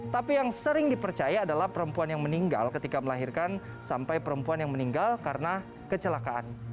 tapi yang sering dipercaya adalah perempuan yang meninggal ketika melahirkan sampai perempuan yang meninggal karena kecelakaan